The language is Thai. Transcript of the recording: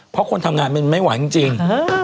เพราะคนทำงานมันไม่ไหวจริง